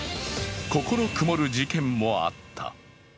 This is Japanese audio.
心曇る事件もあった。